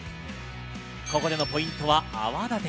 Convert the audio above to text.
ここでのポイントは泡立て。